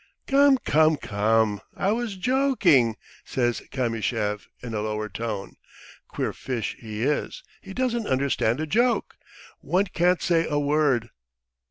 ..." "Come, come, come ... I was joking!" says Kamyshev in a lower tone. "Queer fish he is; he doesn't understand a joke. One can't say a word!"